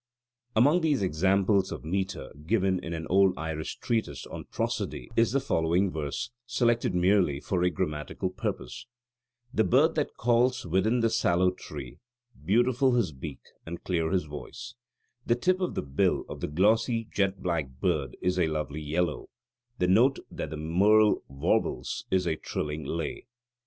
Among the examples of metre given in an old Irish treatise on prosody is the following verse, selected merely for a grammatical purpose: "The bird that calls within the sallow tree, Beautiful his beak and clear his voice; The tip of the bill of the glossy jet black bird is a lovely yellow; The note that the merle warbles is a trilling lay."